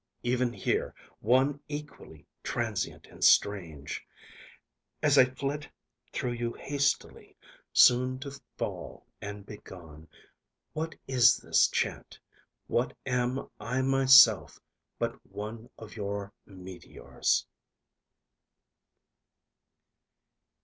even here one equally transient and strange! As I flit through you hastily, soon to fall and be gone, what is this chant, What am I myself but one of your meteors?